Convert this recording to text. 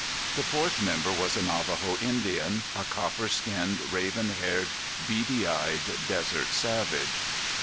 The fourth member was a Navajo Indian, a copper skinned, raven haired, beady eyed desert savage.